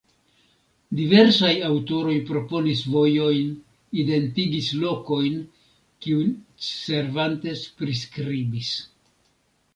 Diversaj aŭtoroj proponis vojojn, identigis lokojn kiujn Cervantes priskribis.